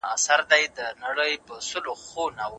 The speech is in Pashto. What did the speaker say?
الله تعالی د منع سوو شيانو ورکړه حرامه کړې ده.